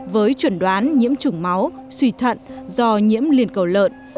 với chuẩn đoán nhiễm chủng máu xùy thuận do nhiễm liền cầu lợn